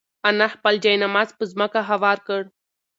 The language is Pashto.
انا خپل جاینماز په ځمکه هوار کړ.